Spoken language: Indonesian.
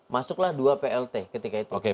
masuklah dua plt ketika itu